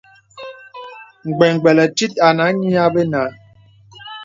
Gbə̀gbə̀lə̀ tìt ànə a nyì abə nà.